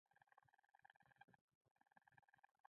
کمې خبرې، زیات ارزښت لري.